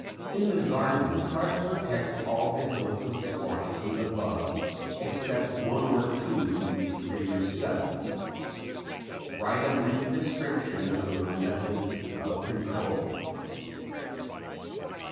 In the garden try to protect all the hills of squash from the bugs except one or two used for your studies. Write a brief description of your methods of control.